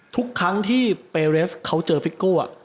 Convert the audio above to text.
ทุกครั้งที่เปเรสเขาเจอฟิโก้